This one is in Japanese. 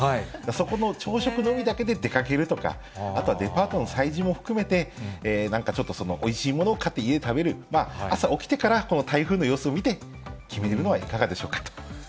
そこの朝食のみだけで出かけるとか、あとはデパートの催事も含めて、なんかちょっとおいしいものを買って家で食べる、朝起きてから台風の様子を見て、決めるのはいかがでしょうかと。